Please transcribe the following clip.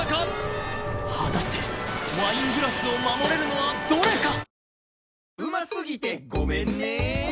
果たしてワイングラスを守れるのはどれか？